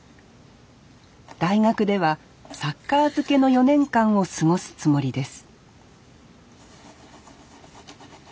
大学ではサッカー漬けの４年間を過ごすつもりです